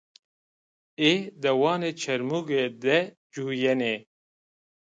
Ê dewanê Çêrmûge de ciwîyenê.